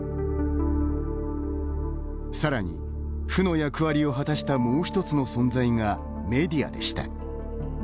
さらに、負の役割を果たしたもう一つの存在がメディアでした。